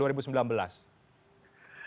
ya sebetulnya yang pokok bagi presiden itu kan